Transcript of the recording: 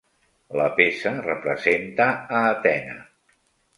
La peça representa a Atena.